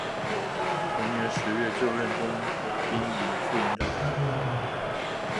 同年十月就任工兵营副营长。